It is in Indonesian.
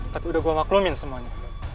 tapi udah gue maklumin semuanya